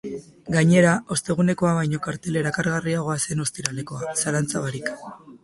Gainera, ostegunekoa baino kartel erakargarriagoa zen ostiralekoa, zalantza barik.